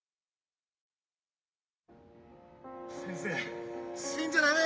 「先生死んじゃダメだ」。